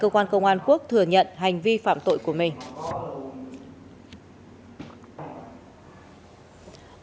cơ quan công an quốc thừa nhận hành vi phạm tội của mình